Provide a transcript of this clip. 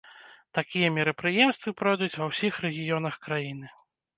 Такія мерапрыемствы пройдуць ва ўсіх рэгіёнах краіны.